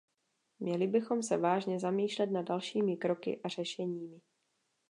Měli bychom se vážně zamýšlet nad dalšími kroky a řešeními.